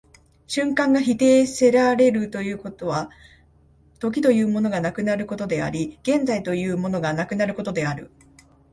瞬間が否定せられるということは、時というものがなくなることであり、現在というものがなくなることである。